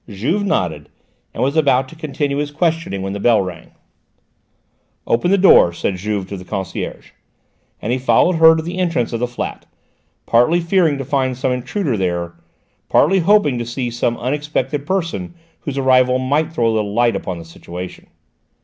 Juve nodded, and was about to continue his questioning when the bell rang. "Open the door," said Juve to the concierge, and he followed her to the entrance of the flat, partly fearing to find some intruder there, partly hoping to see some unexpected person whose arrival might throw a little light upon the situation.